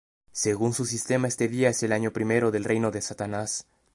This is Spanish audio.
Según su sistema, este día es el año I del reino de Satanás.